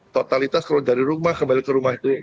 totalitas kalau dari rumah kembali ke rumah